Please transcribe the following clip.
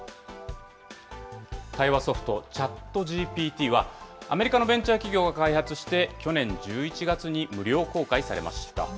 対話ソフト、チャットＧＰＴは、アメリカのベンチャー企業が開発して、去年１１月に無料公開されました。